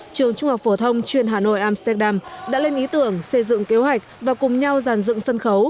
trường trung học phổ thông chuyên hà nội amsterdam đã lên ý tưởng xây dựng kế hoạch và cùng nhau giàn dựng sân khấu